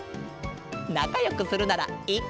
なかよくするならいっか！